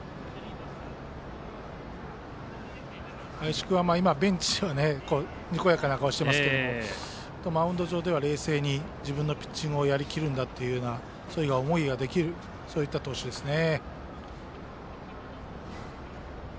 林君はベンチではにこやかな顔をしてますけどマウンド上では冷静に自分のピッチングをやるんだという思いができるそういった投手ですね。